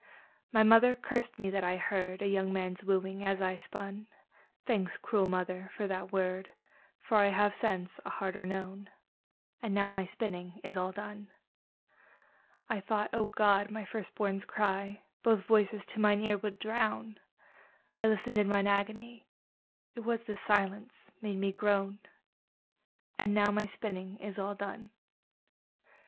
My mother cursed me that I heard A young man's wooing as I spun: Thanks, cruel mother, for that word, For I have, since, a harder known! And now my spinning is all done. I thought, O God! my first born's cry Both voices to mine ear would drown: I listened in mine agony, It was the silence made me groan! And now my spinning is all done.